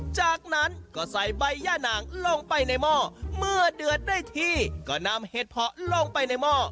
จากนั้นก็ใส่ใบย่านางลงไปในหม้อเมื่อเดือดได้ที่ก็นำเห็ดเพาะลงไปในหม้อ